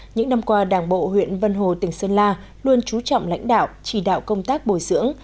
những năm qua đảng bộ huyện vân hồ tỉnh sơn la luôn trú trọng lãnh đạo chỉ đạo công tác bồi dưỡng